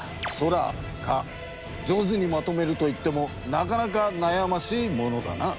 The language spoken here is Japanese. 上手にまとめるといってもなかなかなやましいものだな。